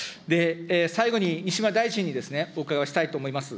最後に西村大臣にお伺いをしたいと思います。